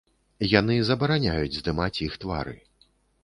Яны забараняюць здымаць іх твары.